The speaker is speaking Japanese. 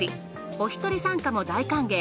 おひとり参加も大歓迎。